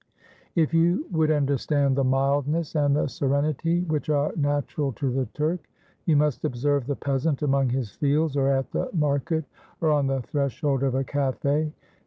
If you would understand the mildness and the serenity which are natural to the Turk, you must observe the peasant among his fields, or at the market, or on the threshold of a café.